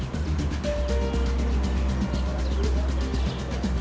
เมื่อเวลาที่สุดท้ายมันกลายเป้าหมายเป็นสุดท้ายที่สุดท้าย